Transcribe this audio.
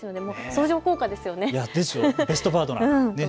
相乗効果ですよね、ベストパートナー。